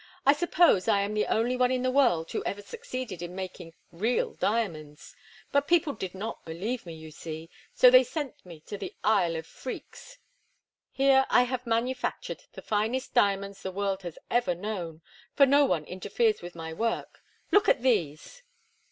"I suppose I am the only one in the world who ever succeeded in making real diamonds; but people did not believe in me, you see, so they sent me to the Isle of Phreex. Here I have manufactured the finest diamonds the world has ever known, for no one interferes with my work. Look at these."